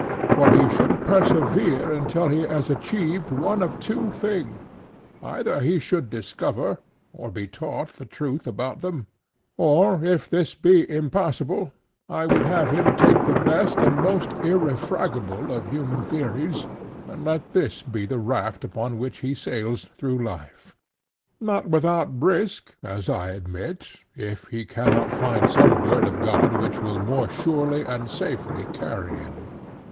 For he should persevere until he has achieved one of two things: either he should discover, or be taught the truth about them; or, if this be impossible, I would have him take the best and most irrefragable of human theories, and let this be the raft upon which he sails through life—not without risk, as I admit, if he cannot find some word of God which will more surely and safely carry him.